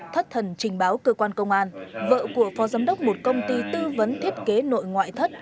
thất thần trình báo cơ quan công an vợ của phó giám đốc một công ty tư vấn thiết kế nội ngoại thất